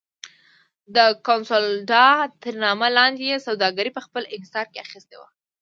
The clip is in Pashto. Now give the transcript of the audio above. د کنسولاډا تر نامه لاندې یې سوداګري په خپل انحصار کې اخیستې وه.